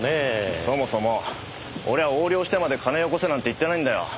そもそも俺横領してまで金よこせなんて言ってないんだよ。